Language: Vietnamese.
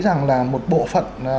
rằng là một bộ phận